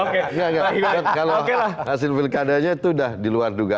kalau hasil pilkadanya itu udah diluar juga